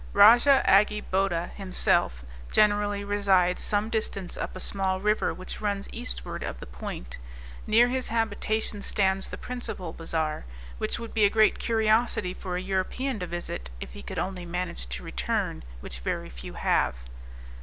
Rajah Agi Bota himself generally resides some distance up a small river which runs eastward of the point; near his habitation stands the principal bazaar, which would be a great curiosity for an European to visit if he could only manage to return, which very few have.